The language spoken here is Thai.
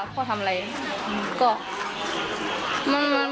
พ่อทำอะไร